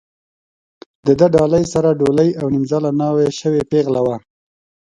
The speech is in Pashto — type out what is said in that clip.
د ده ډالۍ سره ډولۍ او نیمزاله ناوې شوې پېغله وه.